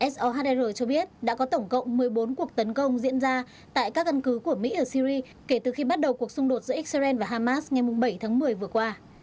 sohr cho biết đã có tổng cộng một mươi bốn cuộc tấn công diễn ra tại các căn cứ của mỹ ở syri kể từ khi bắt đầu cuộc xung đột giữa israel và hamas ngày bảy tháng một mươi vừa qua